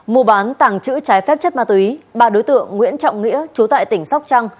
mùa bán tàng trữ trái phép chất ma túy bà đối tượng nguyễn trọng nghĩa trú tại tỉnh sóc trăng